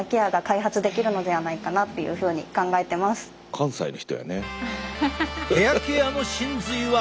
関西の人やね。